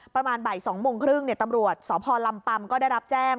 ประมาณบ่าย๒โมงครึ่งตำรวจสพลำปัมก็ได้รับแจ้ง